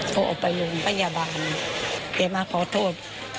เขาออกไปโรงพยาบาลแกมาขอโทษ